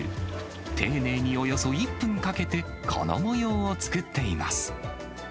丁寧におよそ１分かけて、この模様を作っています。